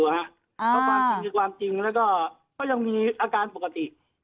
เพราะความจริงคือความจริงแล้วก็ยังมีอาการปกติ